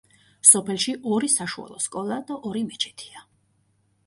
სოფელში ორი საშუალო სკოლა და ორი მეჩეთია.